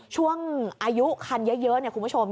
ช่วงอายุคันเยอะคุณผู้ชม